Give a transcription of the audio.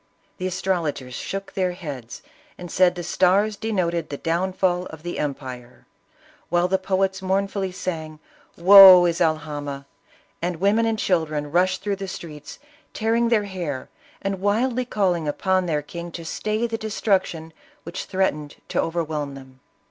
The astrologers shook their heads, and said the stars denoted the downfall of the empire, while the poets mournfully sang, "Woe is Alhama," and ISABELLA OF CASTILE. 86 women and children rushed through the streets, tear ing their hair, and wildly calling upon their king to stay the destruction which threatened to overwhelm them.